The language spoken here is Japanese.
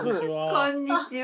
こんにちは。